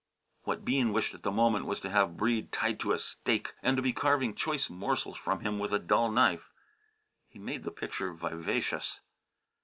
What Bean wished at the moment was to have Breede tied to a stake, and to be carving choice morsels from him with a dull knife. He made the picture vivacious.